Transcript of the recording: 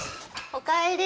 おかえり。